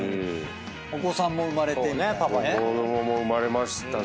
お子さんも生まれてみたいなね。